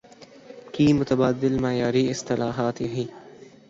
کی متبادل معیاری اصطلاحات یہی